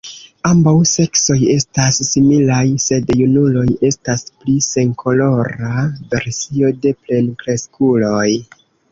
Ambaŭ seksoj estas similaj, sed junuloj estas pli senkolora versio de plenkreskuloj.